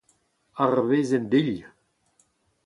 Ar wezenn-dilh !